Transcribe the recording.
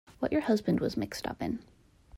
What your husband was mixed up in.